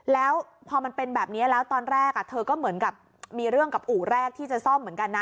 แล้วพอมันเป็นแบบนี้แล้วตอนแรกเธอก็เหมือนกับมีเรื่องกับอู่แรกที่จะซ่อมเหมือนกันนะ